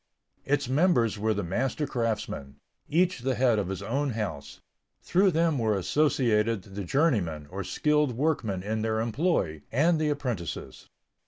Its members were the master craftsmen, each the head of his own house; through them were associated the journeymen, or skilled workmen in their employ, and the apprentices.